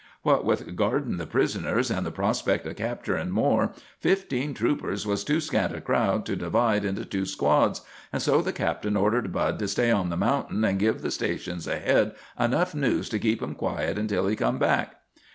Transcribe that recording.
"What with guardin' the prisoners and the prospect of capturin' more, fifteen troopers was too scant a crowd to divide into two squads, and so the captain ordered Bud to stay on the mountain and give the stations ahead enough news to keep 'em quiet until he come back.